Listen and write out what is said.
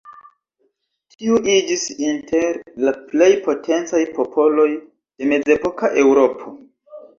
Tiu iĝis inter la plej potencaj popoloj de mezepoka Eŭropo.